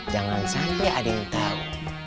jangan sampai ada yang tahu